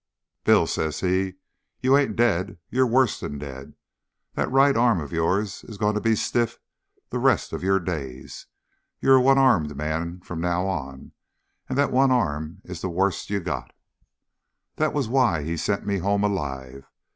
'Bill' says he, 'you ain't dead; you're worse'n dead. That right arm of yours is going to be stiff the rest of your days. You're a one armed man from now on, and that one arm is the worst you got.' "That was why he sent me home alive.